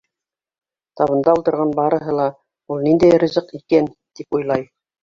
Табында ултырған барыһы ла, ул ниндәй ризыҡ икән, тип уйлай.